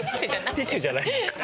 ティッシュじゃないですから。